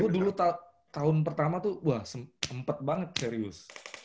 gue dulu tahun pertama tuh wah sempet banget serius